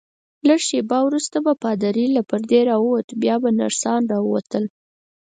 لږ شیبه وروسته به پادري له پردې راووت، بیا به نرسان راووتل.